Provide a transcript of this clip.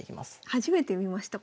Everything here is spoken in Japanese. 初めて見ました